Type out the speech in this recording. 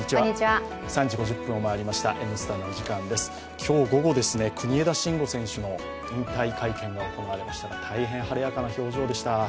今日午後、国枝慎吾選手の引退会見が行われましたが大変晴れやかな表情でした。